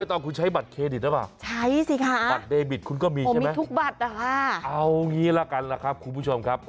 ไม่ต้องคุณใช้บัตรเครดิตรึเปล่าบัตรเดบิตคุณก็มีใช่ไหมเอางี้ละกันนะครับคุณผู้ชมครับ